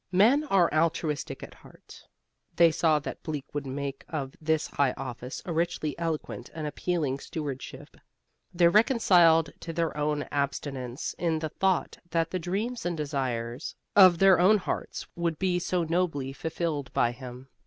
Men are altruistic at heart. They saw that Bleak would make of this high office a richly eloquent and appealing stewardship. They were reconciled to their own abstinence in the thought that the dreams and desires of their own hearts would be so nobly fulfilled by him.